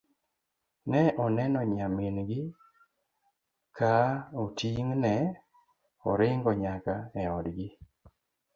ne oneno nyamin gi ka oting' ne oringo nyaka e odgi